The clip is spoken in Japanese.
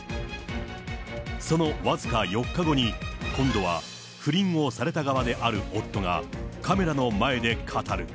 その僅か４日後に、今度は不倫をされた側である夫が、カメラの前で語る。